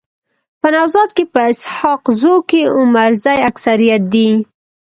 په نوزاد کي په اسحق زو کي عمرزي اکثريت دي.